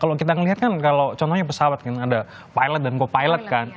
kalau kita ngeliat kan kalau contohnya pesawat kan ada pilot dan co pilot kan